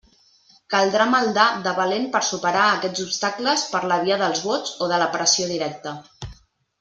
Caldrà maldar de valent per superar aquests obstacles per la via dels vots o de la pressió directa.